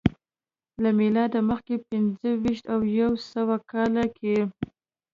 له میلاده مخکې په پنځه ویشت او یو سوه کال کې